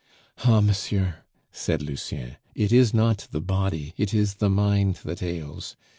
"Ah! monsieur," said Lucien, "it is not the body, it is the mind that ails.